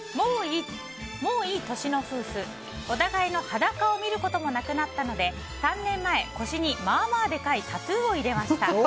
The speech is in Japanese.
もういい年の夫婦お互いの裸を見ることもなくなったので３年前、腰にまあまあでかいタトゥーを入れました。